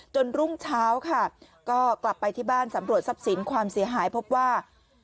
รุ่งเช้าค่ะก็กลับไปที่บ้านสำรวจทรัพย์สินความเสียหายพบว่า